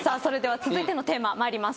続いてのテーマ参ります。